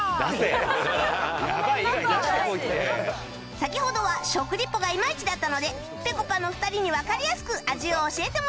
先ほどは食リポがいまいちだったのでぺこぱの２人にわかりやすく味を教えてもらいましょう